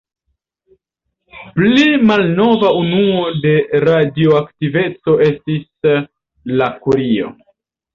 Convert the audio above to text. Pli malnova unuo de radioaktiveco estis la kurio.